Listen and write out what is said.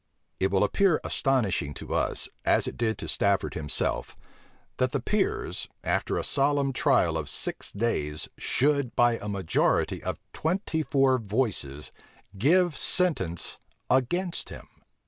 It will appear astonishing to us, as it did to Stafford himself, that the peers, after a solemn trial of six days, should by a majority of twenty four voices, give sentence against him.